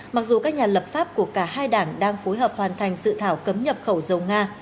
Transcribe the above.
mặc dù các nhà lập pháp của cả hai đảng đang phối hợp hoàn thành dự thảo cấm nhập khẩu dầu nga